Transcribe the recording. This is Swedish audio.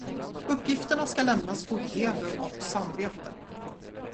Uppgifterna ska lämnas på heder och samvete.